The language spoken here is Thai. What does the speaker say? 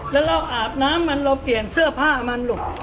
แล้วเราอาบน้ำมันเราเปลี่ยนเสื้อผ้ามันลูก